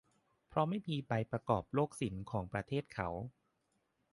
เพราะไม่มีใบประกอบโรคศิลปะของประเทศเขา